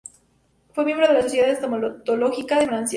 Fue miembro de la Sociedad entomológica de Francia.